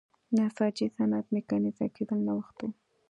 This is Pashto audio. نساجۍ صنعت میکانیزه کېدل نوښت و.